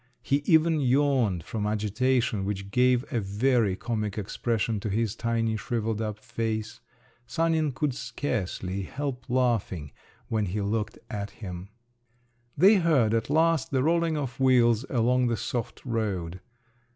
He even yawned from agitation, which gave a very comic expression to his tiny shrivelled up face. Sanin could scarcely help laughing when he looked at him. They heard, at last, the rolling of wheels along the soft road.